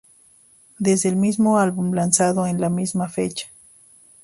Desde el mismo álbum, lanzado en la misma fecha.